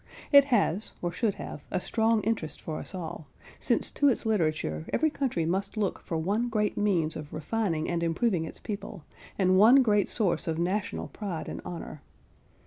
It has, or should have, a strong interest for us all, since to its literature every country must look for one great means of refining and improving its people, and one great source of national pride and honour.